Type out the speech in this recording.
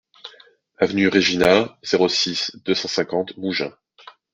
Avenue Regina, zéro six, deux cent cinquante Mougins